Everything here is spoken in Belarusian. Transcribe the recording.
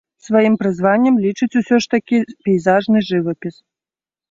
Сваім прызваннем лічыць усё ж такі пейзажны жывапіс.